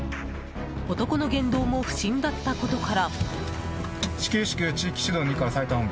男の言動も不審だったことから。